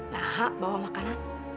nahak bawa makanan